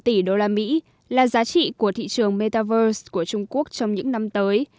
tám tỷ đô la mỹ là giá trị của thị trường metaverse của trung quốc trong những năm tới